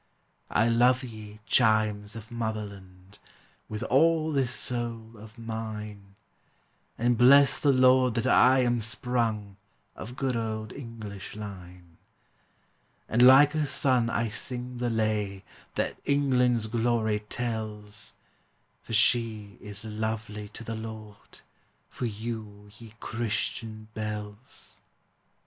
I love ye, chimes of Motherland, With all this soul of mine, And bless the Lord that I am sprung Of good old English line: And like a son I sing the lay That England's glory tells; For she is lovely to the Lord, For you, ye Christian bells!